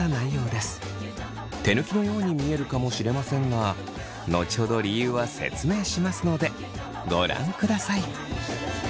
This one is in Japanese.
手抜きのように見えるかもしれませんが後ほど理由は説明しますのでご覧ください。